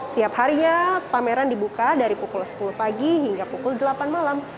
setiap harinya pameran dibuka dari pukul sepuluh pagi hingga pukul delapan malam